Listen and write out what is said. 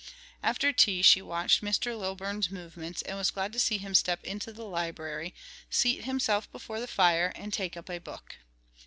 After tea she watched Mr. Lilburn's movements and was glad to see him step into the library, seat himself before the fire, and take up a book.